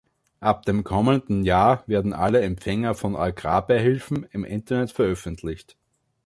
Ab dem kommenden Jahr werden alle Empfänger von Agrarbeihilfen im Internet veröffentlicht.